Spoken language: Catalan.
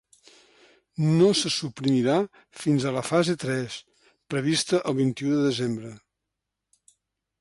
No se suprimirà fins a la fase tres, prevista el vint-i-u de desembre.